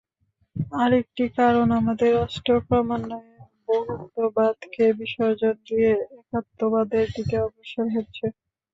আরেকটি কারণ আমাদের রাষ্ট্র ক্রমান্বয়ে বহুত্ববাদকে বিসর্জন দিয়ে একত্ববাদের দিকে অগ্রসর হচ্ছে।